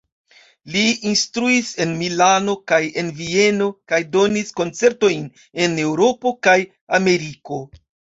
Li instruis en Milano kaj en Vieno kaj donis koncertojn en Eŭropo kaj Ameriko.